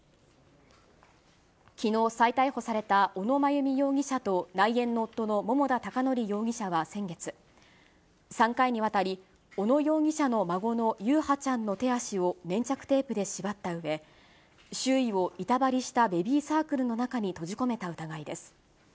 きのう再逮捕された小野真由美容疑者と内縁の夫の桃田貴徳容疑者は先月、３回にわたり、小野容疑者の孫の優陽ちゃんの手足を粘着テープで縛ったうえ、周囲を板張りしたベビーサークルの中に閉じ込めた疑いです。